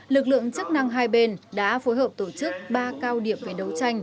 lực lượng chức năng hai bên đã phối hợp tổ chức ba cao điểm về đấu tranh